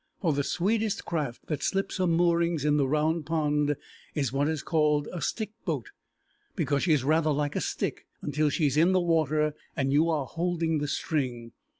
For the sweetest craft that slips her moorings in the Round Pond is what is called a stick boat, because she is rather like a stick until she is in the water and you are holding the string.